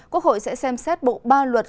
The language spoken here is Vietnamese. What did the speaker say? quốc hội sẽ xem xét bộ ba luật